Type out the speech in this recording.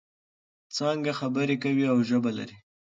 څانګه خبرې کوي او ژبه لري.